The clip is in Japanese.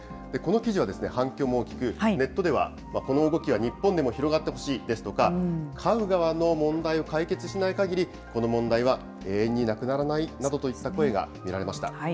この記事は反響も大きく、ネットでは、この動きは日本でも広がってほしいですとか、飼う側の問題を解決しないかぎり、この問題は永遠になくならないなどといった声が見られました。